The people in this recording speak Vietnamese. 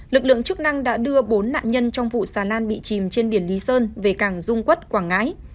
lực lượng chức năng đã đưa bốn nạn nhân trong vụ xà lan bị chìm trên biển lý sơn về cảng dung quốc quảng ngãi